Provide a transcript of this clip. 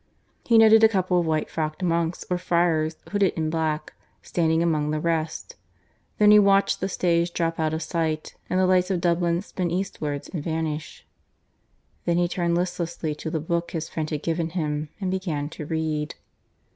He noted a couple of white frocked monks or friars, hooded in black, standing among the rest. Then he watched the stage drop out of sight, and the lights of Dublin spin eastwards and vanish. Then he turned listlessly to the book his friend had given him, and began to read.